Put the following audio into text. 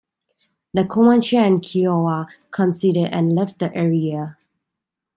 The Comanche and Kiowa conceded and left the area.